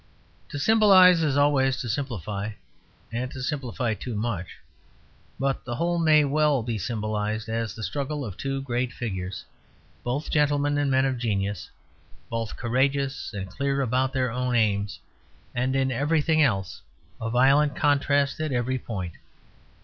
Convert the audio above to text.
To symbolize is always to simplify, and to simplify too much; but the whole may be well symbolized as the struggle of two great figures, both gentlemen and men of genius, both courageous and clear about their own aims, and in everything else a violent contrast at every point.